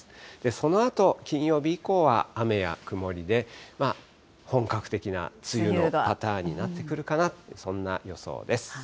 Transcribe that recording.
そのあと金曜日以降は雨や曇りで、本格的な梅雨のパターンになってくるかな、そんな予想です。